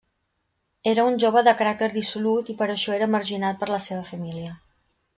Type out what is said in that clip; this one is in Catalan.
Era un jove de caràcter dissolut i per això era marginat per la seva família.